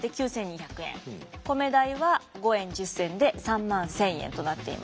米代は５円１０銭で３万１，０００円となっています。